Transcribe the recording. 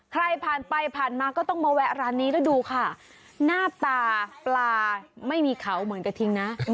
ใครผ่านไปผ่านมาก็ต้องมาแวะร้านนี้แล้วดูค่ะหน้าตาปลาไม่มีเขาเหมือนกระทิงนะ